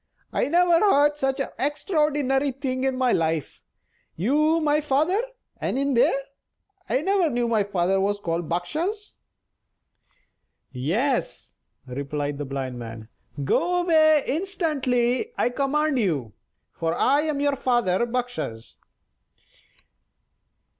I never heard such an extraordinary thing in my life. You my father; and in there! I never knew my father was called Bakshas!" "Yes," replied the Blind Man; "go away instantly, I command you, for I am your father Bakshas."